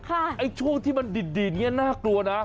ไอ้ช่วงที่มันดีดอย่างนี้น่ากลัวนะ